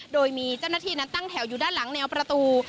โดยมีเจ้าหน้าที่นั้นตั้งแถวอยู่ด้านหลังแนวประตู